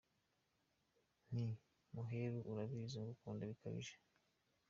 Nti: Maheru ko ubizi Ngukunda bikabije.